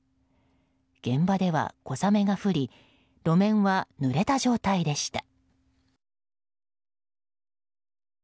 現場では小雨が降り路面はぬれた状態でした。